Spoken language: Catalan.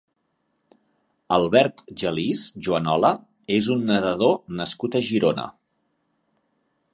Albert Gelis Juanola és un nedador nascut a Girona.